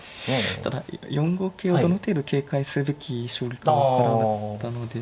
ただ４五桂をどの程度警戒するべき将棋か分からなかったので。